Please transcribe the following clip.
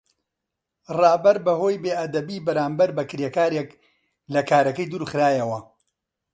ڕابەر بەهۆی بێئەدەبی بەرامبەر بە کڕیارێک لە کارەکەی دوورخرایەوە.